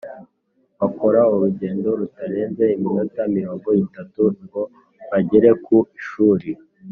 Bakora urugendo rutarenze iminota mirongo itatu ngo bagere ku ishuri